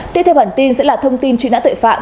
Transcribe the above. tiếp theo bản tin sẽ là thông tin truy nã tội phạm